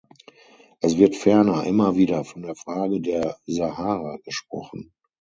Es wird ferner immer wieder von der Frage der Sahara gesprochen.